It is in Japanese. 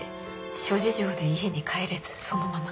諸事情で家に帰れずそのまま。